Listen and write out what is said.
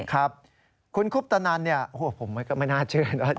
ครับคุณคุปตนันเนี่ยโอ้โหผมก็ไม่น่าเชื่อนะ